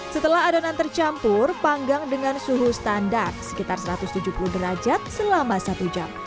setelah adonan tercampur panggang dengan suhu standar sekitar satu ratus tujuh puluh derajat selama satu jam